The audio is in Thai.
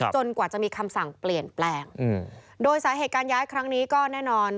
กว่าจะมีคำสั่งเปลี่ยนแปลงโดยสาเหตุการย้ายครั้งนี้ก็แน่นอน